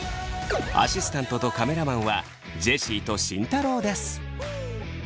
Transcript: アシスタントとカメラマンはジェシーと慎太郎です。